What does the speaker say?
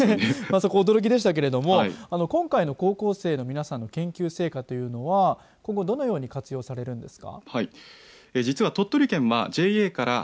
そこは驚きでしたが今回の高校生の皆さんの研究成果というのは今後どのように活用されるんですか。